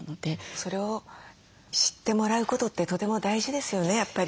それを知ってもらうことってとても大事ですよねやっぱり。